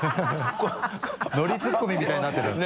ノリツッコミみたいになってた。